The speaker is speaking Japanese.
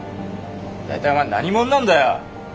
大体お前何者なんだよ。